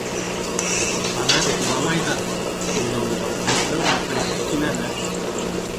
Ана бит иламай ҙа, ҡулда булғас, мыҡыр-мыҡыр итеп кинәнә.